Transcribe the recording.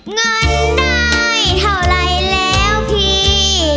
เงินได้เท่าไรแล้วพี่